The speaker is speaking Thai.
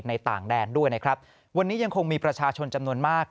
ต่างแดนด้วยนะครับวันนี้ยังคงมีประชาชนจำนวนมาก